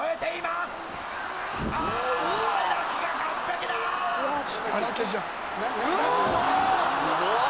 すごい！